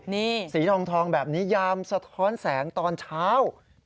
นี่สีทองแบบนี้ยามสะท้อนแสงตอนเช้า